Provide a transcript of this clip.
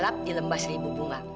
alap alap dilembah seribu bunga